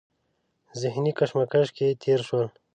ذهني کشمکش کې تېر شول.